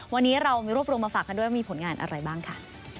วันนี้เรามีรวบรวมมาฝากกันด้วยมีผลงานอะไรบ้างค่ะ